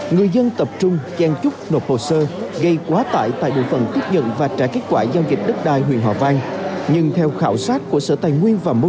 người dân tập trung gian trúc nộp hồ sơ gây quá tải tại bộ phần tiếp nhận và trả kết quả giao dịch đất đai huyện hòa vang